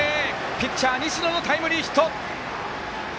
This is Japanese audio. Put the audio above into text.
ピッチャー、西野のタイムリーヒット。